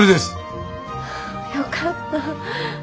よかった。